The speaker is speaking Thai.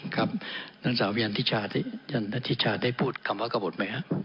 ท่านสาวยันทิชาได้พูดคำว่ากระบดไหมครับ